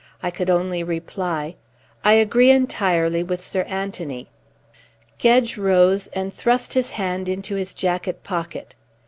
I could only reply: "I agree entirely with Sir Anthony." Gedge rose and thrust his hand into his jacket pocket.